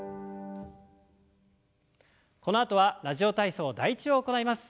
このあとは「ラジオ体操第１」を行います。